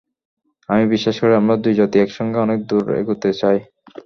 আমি বিশ্বাস করি, আমরা দুই জাতি একসঙ্গে অনেক দূর এগোতে চাই।